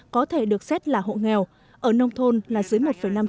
có thể được xét là hộ nghèo ở nông thôn là dưới một năm triệu đồng